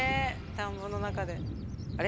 田んぼの中であれ？